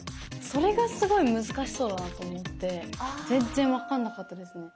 それがすごい難しそうだなと思って全然分かんなかったですね。